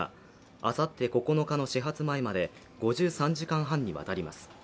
あさって９日の始発前まで５３時間半にわたります